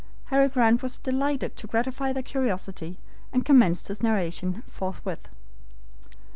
Harry Grant was delighted to gratify their curiosity, and commenced his narration forthwith.